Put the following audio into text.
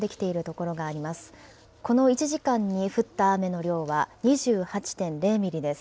この１時間に降った雨の量は２８．０ミリです。